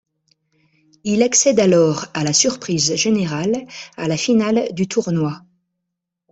Il accède alors à la surprise générale à la finale du tournoi.